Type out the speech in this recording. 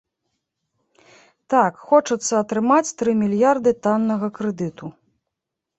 Так, хочацца атрымаць тры мільярды таннага крэдыту.